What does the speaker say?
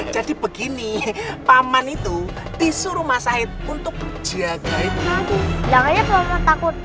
jadi begini paman itu disuruh mas haid untuk jagain aku